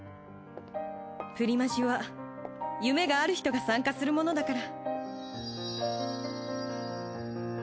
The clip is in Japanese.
プリマジは夢がある人が参加するものだから。